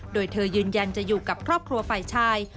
โดยเธอยืนยันจะอยู่กับครอบครัวฝ่ายชาย